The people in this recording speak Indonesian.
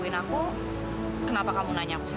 itu juga menyakitkan hati aku mak